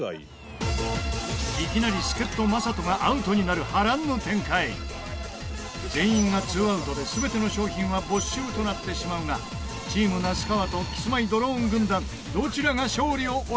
いきなり、助っ人・魔裟斗がアウトになる波乱の展開全員がツーアウトで全ての商品は没収となってしまうがチーム那須川とキスマイ・ドローン軍団どちらが勝利を収めるのか？